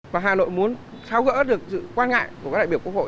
và hà nội muốn tháo gỡ được sự quan ngại của các đại biểu quốc hội